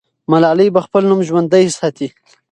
ملالۍ به خپل نوم ژوندی ساتي.